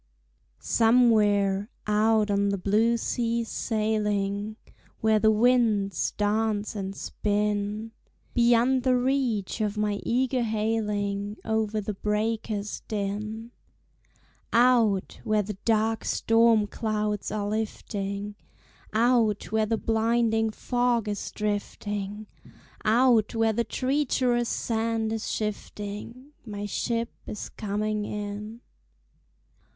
Somewhere, out on the blue seas sailing, Where the winds dance and spin; Beyond the reach of my eager hailing, Over the breakers' din; Out where the dark storm clouds are lifting, Out where the blinding fog is drifting, Out where the treacherous sand is shifting, My ship is coming in.